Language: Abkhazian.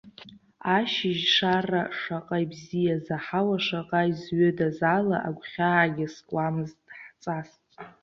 Ашьыжь шара шаҟа ибзиаз, аҳауа шаҟа изҩыдаз ала, агәхьаагьы скуамызт ҳҵас.